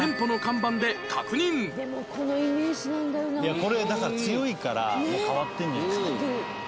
「これだから強いから変わってるんじゃないですか？」